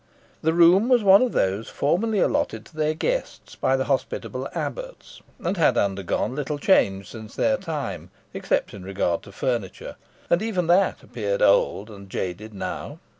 The room was one of those formerly allotted to their guests by the hospitable abbots, and had undergone little change since their time, except in regard to furniture; and even that appeared old and faded now.